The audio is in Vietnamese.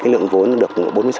lượng vốn được bốn mươi sáu